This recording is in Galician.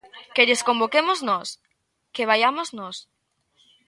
¿Que lles convoquemos nós?, ¿que vaiamos nós?